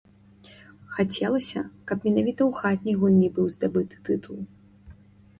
Хацелася, каб менавіта ў хатняй гульні быў здабыты тытул.